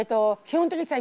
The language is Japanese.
基本的にさ